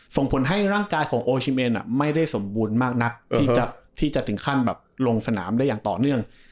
ส่งผลให้ร่างกายของโอชิเมนไม่ได้สมบูรณ์มากนักที่จะถึงขั้นแบบลงสนามได้อย่างต่อเนื่อง